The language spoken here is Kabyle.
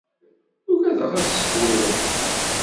Ugadeɣ ad sekwen lebḥer